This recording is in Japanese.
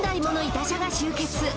痛車が集結